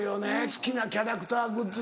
好きなキャラクターグッズと。